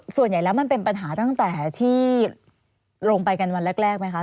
ส่วนใหญ่แล้วมันเป็นปัญหาตั้งแต่ที่ลงไปกันวันแรกไหมคะ